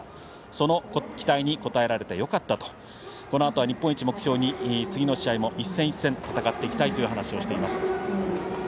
その期待に応えられてよかったとこのあとは日本一目標に次の試合も一戦一戦戦っていきたいという話をしています。